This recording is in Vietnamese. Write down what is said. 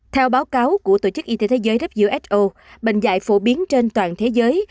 theo báo cáo của tổ chức y tế thế giới who bệnh dạy phổ biến trên toàn thế giới